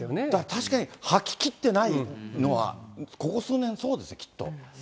確かに、吐き切ってないのは、ここ数年、そうですよ、きっと。